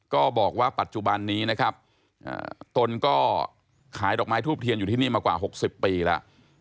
ก็บอกว่าปัจจุบันนี้นะครับตนก็ขายดอกไม้ทูบเทียนอยู่ที่นี่มากว่า๖๐ปีแล้ว